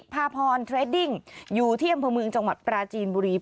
พาพรอยู่เที่ยงพระมืงจังหวัดปราจีนบุรี